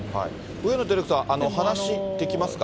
上野ディレクター、話できますか？